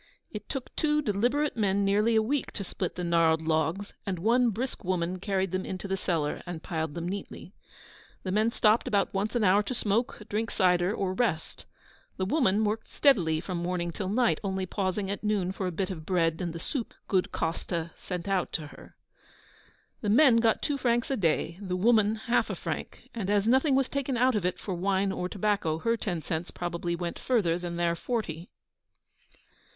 It took two deliberate men nearly a week to split the gnarled logs, and one brisk woman carried them into the cellar and piled them neatly. The men stopped about once an hour to smoke, drink cider, or rest. The woman worked steadily from morning till night, only pausing at noon for a bit of bread and the soup good Coste sent out to her. The men got two francs a day, the woman half a franc; and as nothing was taken out of it for wine or tobacco, her ten cents probably went further than their forty.